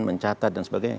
mencatat dan sebagainya